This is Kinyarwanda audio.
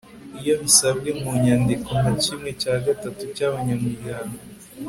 iyo bisabwe mu nyandiko na kimwe cya gatatu cy'abanyamryango